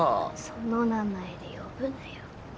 その名前で呼ぶなよ。